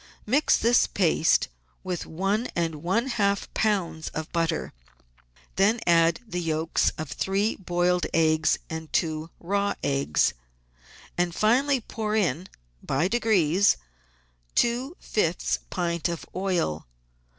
Mix this paste with one and one half lbs. of butter; then add the yolks of three boiled eggs and two raw eggs, and finally pour in, by degrees, two fifths pint of oil.